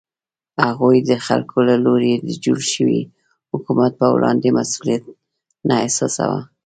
هغوی د خلکو له لوري د جوړ شوي حکومت په وړاندې مسوولیت نه احساساوه.